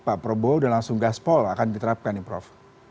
pak probo dan langsung gaspol akan diterapkan nih prof